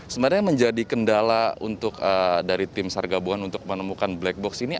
sebenarnya menjadi kendala untuk dari tim sargabungan untuk menemukan black box ini